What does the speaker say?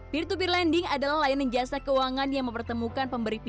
peer to peer lending adalah layanan jasa keuangan yang mempertemukan pemberi peer